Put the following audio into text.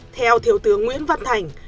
theo thiếu tướng nguyễn văn hậu